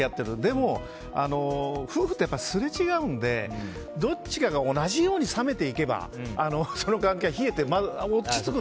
でも、夫婦ってすれ違うのでどっちかが同じように冷めていけばその関係は冷えて落ち着く。